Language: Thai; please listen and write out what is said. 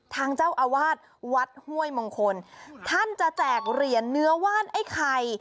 ทางเจ้าอาวาสวัดห้วยมงคลท่านจะแจกเหรียญเนื้อว่านไอ้ไข่